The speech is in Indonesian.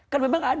kan memang ada